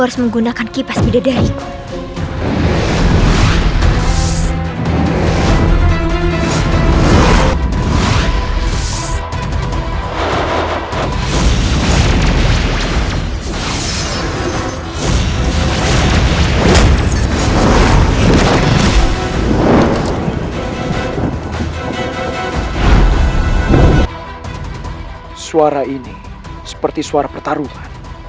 suara ini seperti suara pertarungan